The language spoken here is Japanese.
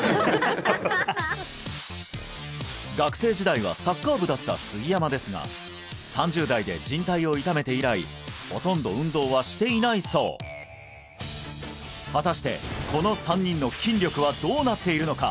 学生時代はサッカー部だった杉山ですが３０代で靱帯を痛めて以来ほとんど運動はしていないそう果たしてこの３人の筋力はどうなっているのか？